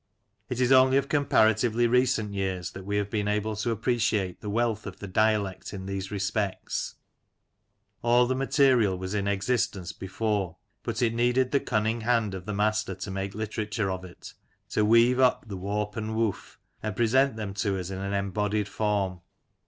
It is only of comparatively recent years that we have been able to appreciate the wealth of the dialect in these respects. All the material was in existence before, but it needed the cunning hand of the master to make literature of it; to weave up the warp and woof, and present them to us in an embodied form.